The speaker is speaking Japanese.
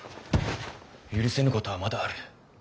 許せぬことはまだある。